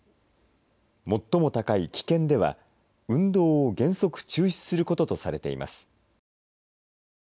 最も高い危険では運動を原則中止することとされています。